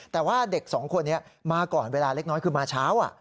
แต่ว่าเด็กสองคนนี้มาก่อนเวลาเล็กน้อยคือมาเช้า